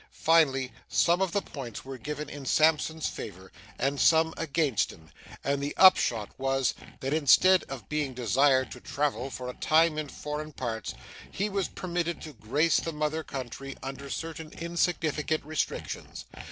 Finally, some of the points were given in Sampson's favour, and some against him; and the upshot was, that, instead of being desired to travel for a time in foreign parts, he was permitted to grace the mother country under certain insignificant restrictions.